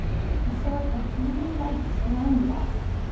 A sort of bluey light surrounded us.